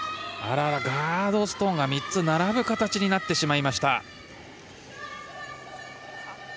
ガードストーンが３つ並ぶ形になってしまいました。